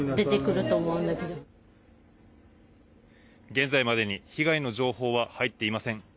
現在までに被害の情報は入っていません。